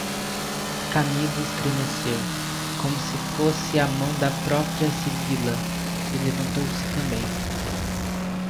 Camilo estremeceu, como se fosse a mão da própria sibila, e levantou-se também.